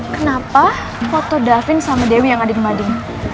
kenapa foto daven sama dewi yang adik madik